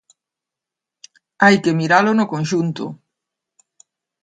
Hai que miralo no conxunto.